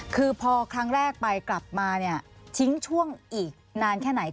คือพอครั้งแรกไปกลับมาเนี่ยทิ้งช่วงอีกนานแค่ไหน